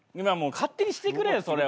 勝手にしてくれよそれは。